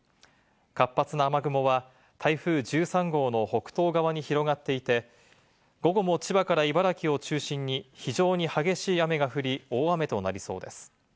活発な雨雲は台風１３号の北東側に広がっていて、午後も千葉から茨城を中心に非常に激しい雨が降り、大雨となりそうです。